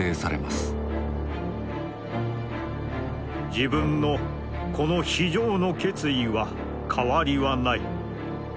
「自分の此の非常の決意は変りはない。